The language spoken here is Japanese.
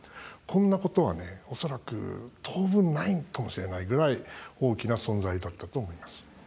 こんなことはね、恐らく当分ないかもしれないぐらい大きな存在だったと思います。